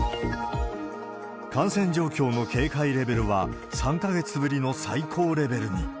感染状況の警戒レベルは３か月ぶりの最高レベルに。